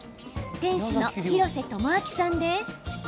店主の廣瀬智哲さんです。